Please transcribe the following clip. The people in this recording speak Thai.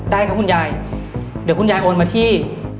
ได้ครับคุณยายเดี๋ยวคุณยายโอนมาที่